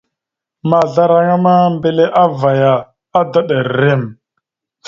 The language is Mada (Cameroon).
Maazlaraŋa ma, mbelle avvaya, adaɗ rrem.